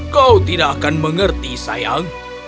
kau tidak akan mengerti sayang